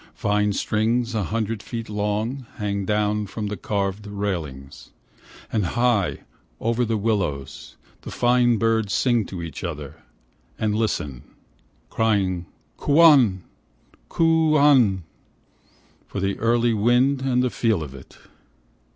Vine strings a hundred feet long hang down from carved railings, And high over the willows, the fine birds sing to each other, and listen, Crying " Kwan, Kuan," for the early wind, and the feel of it.